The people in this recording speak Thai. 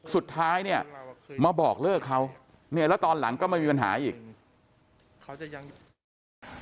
สุดท้ายเนี่ยมาบอกเลิกเขาเนี่ยแล้วตอนหลังก็ไม่มีปัญหาอีกเขาจะยัง